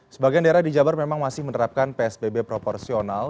sebagian daerah di jabar memang masih menerapkan psbb proporsional